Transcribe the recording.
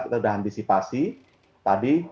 kita sudah antisipasi tadi